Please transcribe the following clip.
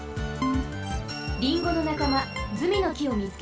リンゴのなかまズミのきをみつけました。